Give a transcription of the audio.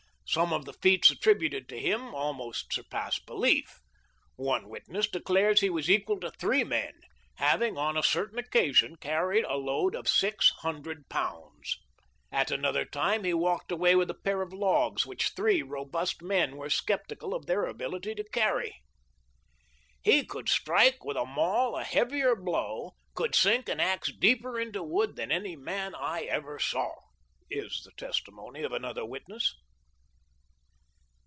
Some of the feats attributed to him almost surpass belief. One witness declares he was equal to three men, having on a certain occasion carried a load of six hundred pounds At another time he walked away with a pair of logs which three robust men were skeptical of their ability to carry. " He could strike with a maul a heavier blow — could sink an axe deeper into wood than any man I ever saw," is the testimony of another witness.